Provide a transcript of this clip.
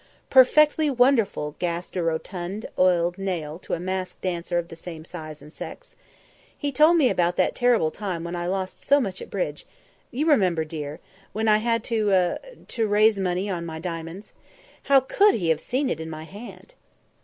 "Per fect ly wonderful," gasped a rotund Ouled Nail to a masked dancer of the same sex and size. "He told me about that terrible time when I lost so much at bridge you remember, dear, when I had to er to raise money on my diamonds. How could he have seen it in my hand?"